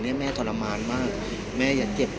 พี่อัดมาสองวันไม่มีใครรู้หรอก